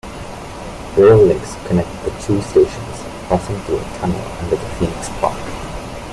Rail links connect the two stations passing through a tunnel under the Phoenix Park.